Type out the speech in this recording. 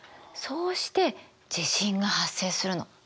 そうして地震が発生するの。